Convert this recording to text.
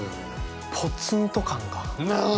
ポツンと感が。